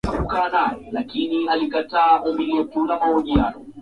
Ma njina ya ba mama bote itawekewa katikati